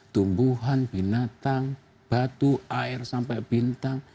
tumbuhan binatang batu air sampai bintang